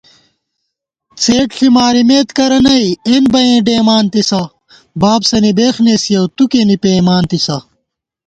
څېڈ ݪی مارِمېت کرہ نئ اېن بئیں ڈېئیمان تِسہ * بابسَنی بېخ نېسِیَؤ تُو کېنےپېئیمانتِسہ